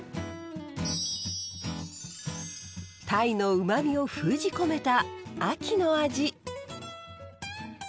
タイのうまみを封じ込めた秋の味。